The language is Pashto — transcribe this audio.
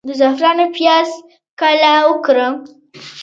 د زعفرانو پیاز کله وکرم؟